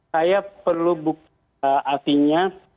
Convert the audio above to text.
saya perlu buka artinya